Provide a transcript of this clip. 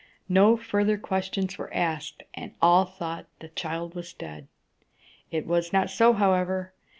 No further questions were asked, and all thought that the child was dead. It was not so, however.